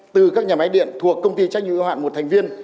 từ các nhà máy điện thuộc công ty trách nhiệm ưu hạn một thành viên